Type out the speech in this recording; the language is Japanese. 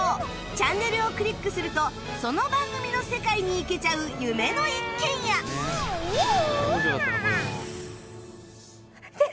チャンネルをクリックするとその番組の世界に行けちゃう夢の一軒家面白かったなこれも。